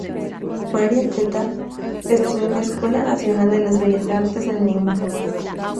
María T-ta estudió en la Escuela Nacional de Bellas Artes en Lima.